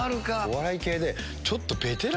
お笑い系で。